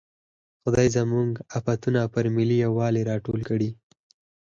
خدای زموږ افتونه پر ملي یوالي راټول کړي.